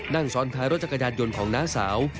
นั่งซ้อนท้ายรถจักรยานยนต์ของน้าสาว